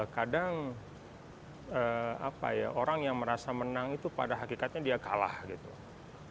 kadang apa ya orang yang merasa menang itu pada hakikatnya dia kalah gitu ya